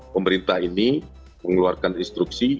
pemerintah ini mengeluarkan instruksi